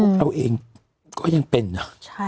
เราเองก็ยังเป็นนะ